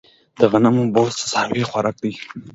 د غنمو بوس د څارویو خوراک دی.